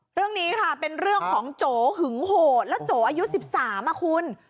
เรื่องนี้ค่ะเป็นเรื่องของโจหึงโหดแล้วโจอายุ๑๓อ่ะคุณ